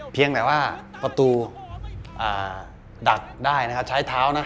เพียงแต่ว่าประตูดักได้ใช้เท้าน่ะ